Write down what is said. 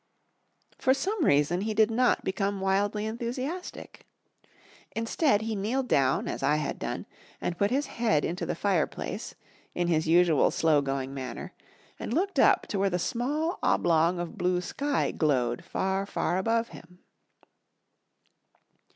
For some reason he did not become wildly enthusiastic. Instead he kneeled down, as I had done, and put his head into the fireplace, in his usual slow going manner, and looked up to where the small oblong of blue sky glowed far, far above him.